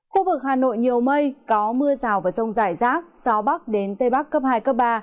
khu vực hà nội nhiều mây có mưa rào và rông rải rác gió bắc đến tây bắc cấp hai cấp ba